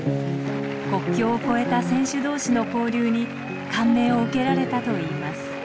国境を超えた選手同士の交流に感銘を受けられたといいます。